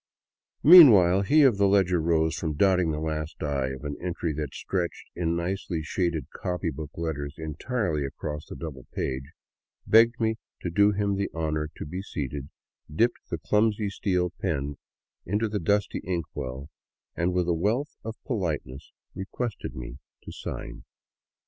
Meanwhile, he of the ledger rose from dotting the last " i " of an entry that stretched in nicely shaded copybook letters entirely across the double page, begged me to do him the honor to be seated, dipped the clumsy steel pen into the dusty inkwell, and, with a wealth of politenesses, requested me to sign.